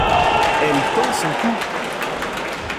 Elle tend son cou.